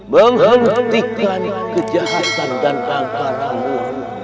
menghentikan kejahatan dan gangparanmu